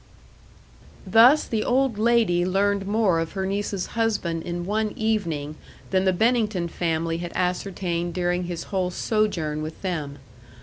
Thus the old lady learned more of her niece's husband in one evening than the Bennington family had ascertained during his whole sojourn with them.